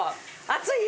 熱い？